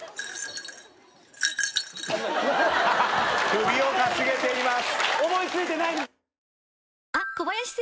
首をかしげています。